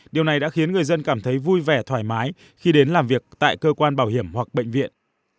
điều này đã khiến người dân cảm thấy vui vẻ thoải mái khi đến làm việc tại cơ quan bảo hiểm hoặc bệnh viện